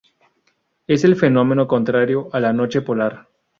Es el fenómeno contrario a la noche polar.